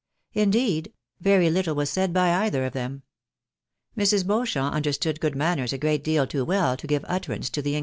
Indeed, very little was said by either of them : Mrs. Beauchamp understood good manners a great deal too well to give utterance to the in 96 THE BAEXABYS IN AMERICA.